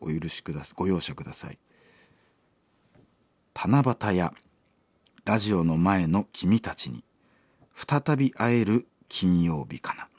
『七夕やラジオの前の君たちに再び会える金曜日かな』